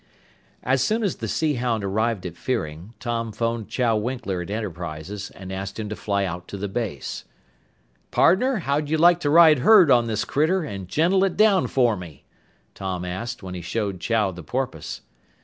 As soon as the Sea Hound arrived at Fearing, Tom phoned Chow Winkler at Enterprises and asked him to fly out to the base. "Pardner, how'd you like to ride herd on this critter and gentle it down for me?" Tom asked, when he showed Chow the porpoise.